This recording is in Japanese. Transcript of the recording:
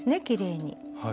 きれいに。